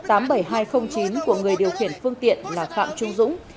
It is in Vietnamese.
ba mươi a tám mươi bảy nghìn hai trăm linh chín của người điều khiển phương tiện là phạm trung dũng